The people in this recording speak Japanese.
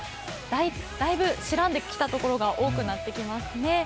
だいぶ、白んできたところが多くなってきましたね。